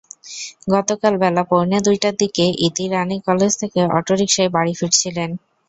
গতকাল বেলা পৌনে দুইটার দিকে ইতি রানী কলেজ থেকে অটোরিকশায় বাড়ি ফিরছিলেন।